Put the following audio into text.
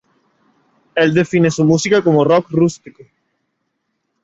Él define su música como "Rock Rústico".